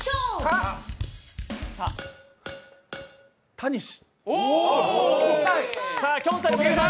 タニシ。